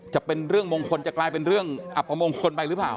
จะเป็นเรื่องมงคลจะกลายเป็นเรื่องอับประมงคลไปหรือเปล่า